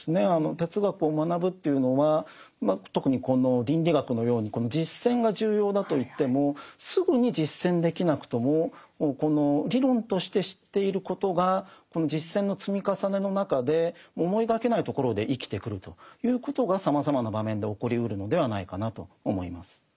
哲学を学ぶというのは特にこの倫理学のように実践が重要だといってもすぐに実践できなくともこの理論として知っていることがこの実践の積み重ねの中で思いがけないところで生きてくるということがさまざまな場面で起こりうるのではないかなと思います。